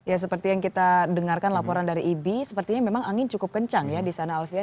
ya seperti yang kita dengarkan laporan dari ibi sepertinya memang angin cukup kencang ya di sana alfian